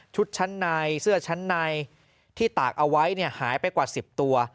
ชั้นในเสื้อชั้นในที่ตากเอาไว้หายไปกว่า๑๐ตัว